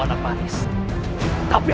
aku harus terbaik